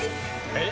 えっ？